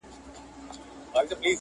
ړاندۀ ته نه ګوري څوک